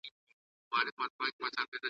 ړوند یې د فکر پر سمو لارو ,